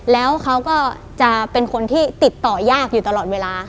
แล้วเขาก็จะเป็นคนที่ติดต่อยากอยู่ตลอดเวลา